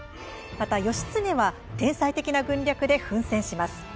また、義経は天才的な軍略で奮戦します。